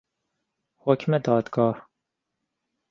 حکم دادگاه